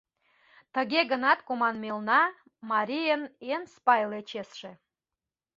Тыге гынат команмелна — марийын эн спайле чесше.